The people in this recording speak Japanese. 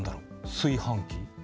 炊飯器。